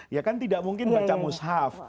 ya kan tidak mungkin baca mushaf